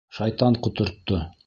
Шайтан ҡотортто!